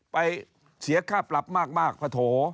ไปเสียค่าปรับมากปะโถ